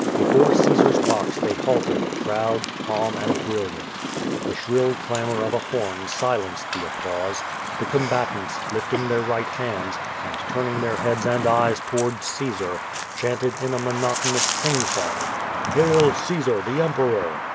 Before Caesar's box they halted, proud, calm, and bril liant. The shrill clamor of a horn silenced the applause. The combatants, lifting their right hands, and turning their heads and eyes towards Caesar, chanted in a monotonous sing song: "Hail Caesar, the Emperor.